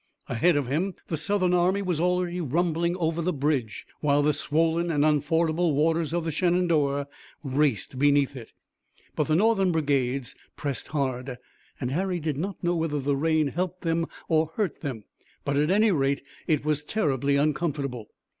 Ahead of him the Southern army was already rumbling over the bridge, while the swollen and unfordable waters of the Shenandoah raced beneath it. But the Northern brigades pressed hard. Harry did not know whether the rain helped them or hurt them, but at any rate it was terribly uncomfortable.